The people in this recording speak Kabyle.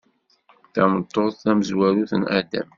Tameṭṭut tamezwarut n Adem.